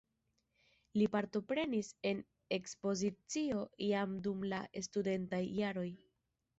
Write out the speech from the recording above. Li partoprenis en ekspozicio jam dum la studentaj jaroj.